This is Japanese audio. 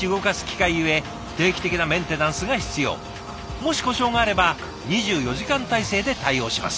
もし故障があれば２４時間体制で対応します。